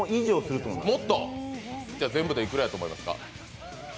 全部でいくらやと思いますか？